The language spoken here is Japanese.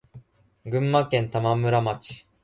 群馬県玉村町